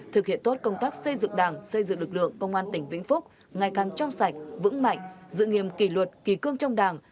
thực hiện tốt công tác xây dựng đảng xây dựng lực lượng công an tỉnh vĩnh phúc ngày càng trong sạch vững mạnh dự nghiệm kỳ luật kỳ cương trong đảng